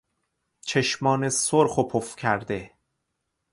چشمان سرخ و پف کرده